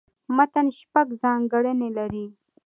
متن شپږ ځانګړني لري.